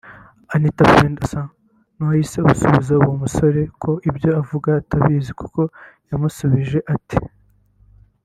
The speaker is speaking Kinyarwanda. Anita Pendo asa nuwahise asubiza uyu musore ko ibyo avuga atabizi kuko yamusubije ati